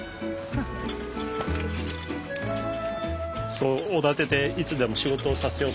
そうおだてていつでも仕事をさせようという魂胆。